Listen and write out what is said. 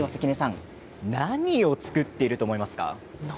関根さん何を作っていると思いますか？